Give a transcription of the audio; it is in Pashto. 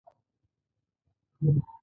آیا دوی له دې ګټو څخه نور خلک محروموي؟